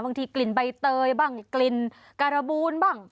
กลิ่นใบเตยบ้างกลิ่นการบูนบ้าง